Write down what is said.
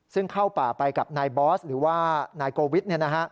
ซึ่งเข้าป่าไปกับนายบอสหรือว่านายโกวิท